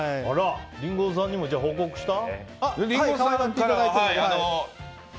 リンゴさんにも報告した？